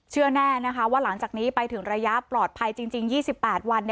เชื่อแน่นะคะว่าหลังจากนี้ไปถึงระยะปลอดภัยจริง๒๘วัน